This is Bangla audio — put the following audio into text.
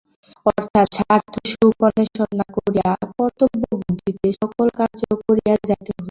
অর্থাৎ স্বার্থ-সুখ অন্বেষণ না করিয়া কর্তব্যবুদ্ধিতে সকল কার্য করিয়া যাইতে হইবে।